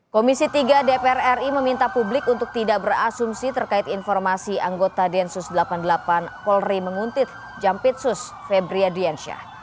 komisi tiga dpr ri meminta publik untuk tidak berasumsi terkait informasi anggota densus delapan puluh delapan polri menguntit jampitsus febria diansyah